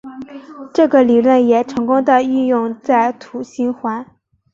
这个理论也成功的运用在土星环。